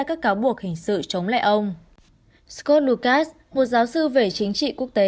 ra cáo buộc hình sự chống lại ông scott lucas một giáo sư về chính trị quốc tế